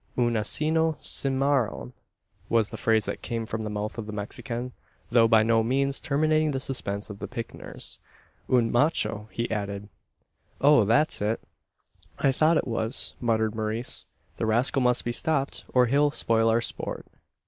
"Un asino cimmaron!" was the phrase that came from the mouth of the Mexican, though by no means terminating the suspense of the picknickers. "Un macho!" he added. "Oh! That's it! I thought it was!" muttered Maurice. "The rascal must be stopped, or he'll spoil our sport.